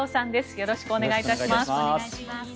よろしくお願いします。